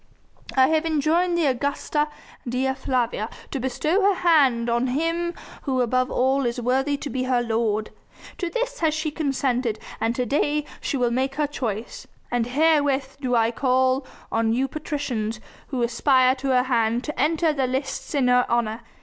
I have enjoined the Augusta Dea Flavia to bestow her hand on him who above all is worthy to be her lord. To this has she consented and to day will she make her choice, and herewith do I call on you patricians who aspire to her hand to enter the lists in her honour.